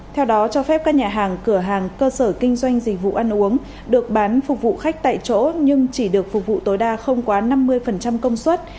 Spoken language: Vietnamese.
theo đó cho phép các nhà hàng cửa hàng cơ sở kinh doanh dịch vụ ăn uống được bán phục vụ khách tại chỗ nhưng chỉ được phục vụ tối đa không quá năm mươi công suất